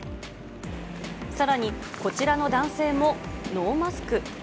さらに、こちらの男性もノーマスク。